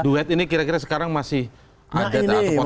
duit ini kira kira sekarang masih ada atau belum